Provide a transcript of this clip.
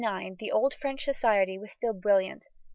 In 1789, the old French society was still brilliant.